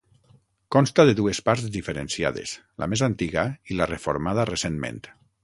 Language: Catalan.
Consta de dues parts diferenciades, la més antiga i la reformada recentment.